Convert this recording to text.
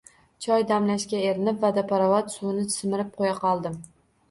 Choy damlashga erinib, vodoprovod suvini simirib qo`ya qoldim